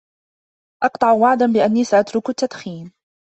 أقطع وعدا بأني سأترك التدخين.